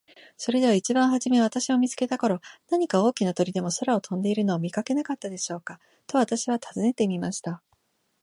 「それでは一番はじめ私を見つけた頃、何か大きな鳥でも空を飛んでいるのを見かけなかったでしょうか。」と私は尋ねてみました。